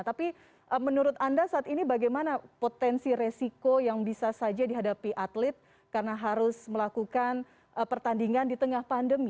tapi menurut anda saat ini bagaimana potensi resiko yang bisa saja dihadapi atlet karena harus melakukan pertandingan di tengah pandemi